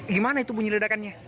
gimana itu bunyi ledakannya